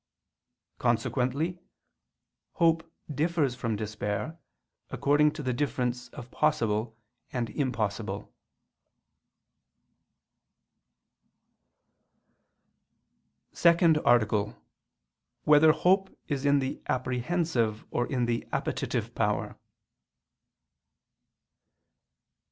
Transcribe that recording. Consequently hope differs from despair according to the difference of possible and impossible. ________________________ SECOND ARTICLE [I II, Q. 40, Art. 2] Whether Hope Is in the Apprehensive or in the Appetitive Power?